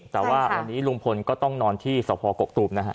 แต่ว่าวันนี้ลุงพลก็ต้องนอนที่สพกกตูมนะฮะ